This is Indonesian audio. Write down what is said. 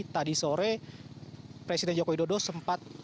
tadi sore presiden joko widodo sempat